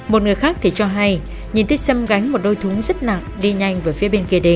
một người khác thì cho hay nhìn tích sâm gánh một đôi thúng rất nặng đi nhanh về phía bên kia đê